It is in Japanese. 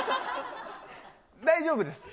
大丈夫です。